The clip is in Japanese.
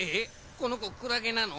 このこクラゲなの？